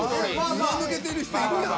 ずばぬけてる人いるやん。